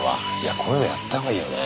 こういうのやったほうがいいよね。